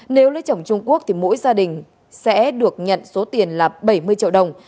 nếu lấy chồng trung quốc thì mỗi gia đình sẽ được nhận số tiền là bảy mươi triệu đồng